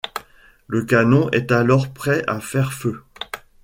Le canon est alors prêt à faire feu.